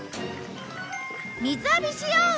水浴びしよう！